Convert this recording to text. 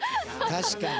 確かに。